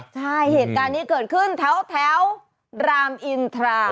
ใช่เหตุการณ์นี้เกิดขึ้นแถวรามอินทรา